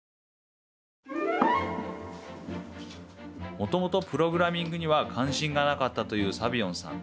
もともとプログラミングには関心がなかったというサビオンさん。